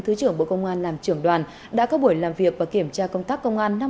thứ trưởng bộ công an làm trưởng đoàn đã có buổi làm việc và kiểm tra công tác công an